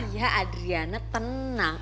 ya adriana tenang